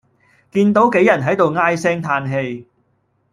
見到杞人喺度唉聲嘆氣